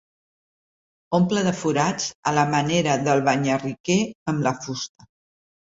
Omple de forats a la manera del banyarriquer amb la fusta.